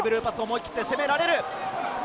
思い切って攻められる。